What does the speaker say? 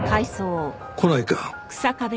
来ないか？